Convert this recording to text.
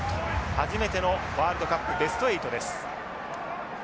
初めてのワールドカップベスト８です。